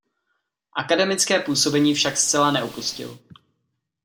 Akademické působení však zcela neopustil.